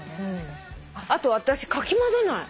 あと私かき混ぜない。